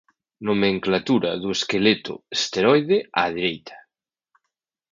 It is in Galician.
Nomenclatura do esqueleto esteroide á dereita.